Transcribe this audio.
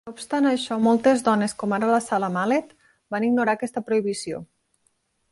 No obstant això, moltes dones com ara Sarah Mallet van ignorar aquesta prohibició.